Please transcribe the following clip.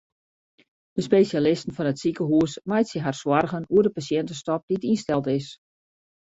De spesjalisten fan it sikehús meitsje har soargen oer de pasjintestop dy't ynsteld is.